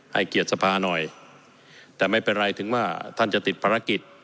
เกียรติสภาหน่อยแต่ไม่เป็นไรถึงว่าท่านจะติดภารกิจ